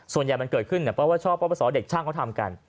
ส่วนใหญ่มันเกิดขึ้นเพราะว่าชอบเพราะประสอเด็กช่างเขาทำกัน